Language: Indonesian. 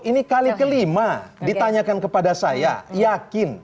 ini kali kelima ditanyakan kepada saya yakin